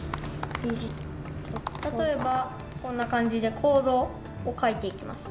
例えばこんな感じでコードを書いていきます。